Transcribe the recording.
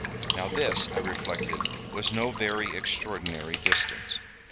Now this, I reflected, was no very extraordinary distance.